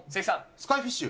スカイフィッシュ。